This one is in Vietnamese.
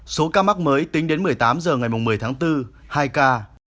số ca mắc mới tính đến một mươi tám h ngày một mươi tháng bốn hai ca